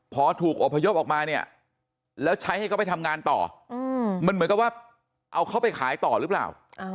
พอถูกอบพยพออกมาเนี่ยแล้วใช้ให้เขาไปทำงานต่อมันเหมือนกับว่าเอาเขาไปขายต่อหรือเปล่า